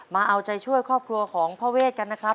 มาเอาใจช่วยครอบครัวของพ่อเวทกันนะครับ